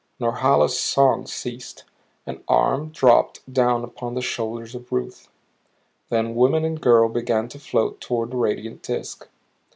Norhala's song ceased; an arm dropped down upon the shoulders of Ruth. Then woman and girl began to float toward the radiant disk.